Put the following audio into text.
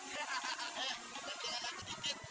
kita tinggal lagi dikit